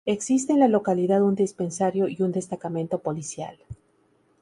Existe en la localidad un dispensario y un destacamento policial.